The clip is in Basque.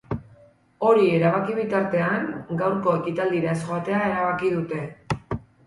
Hori erabaki bitartean, gaurko ekitaldira ez joatea erabaki dute.